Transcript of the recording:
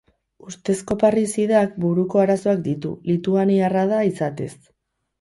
Ustezko parrizidak buruko arazoak ditu, lituaniarra da izatez.